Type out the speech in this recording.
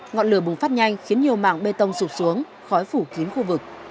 ngọn lửa bùng phát nhanh khiến nhiều mạng bê tông sụp xuống khói phủ kín khu vực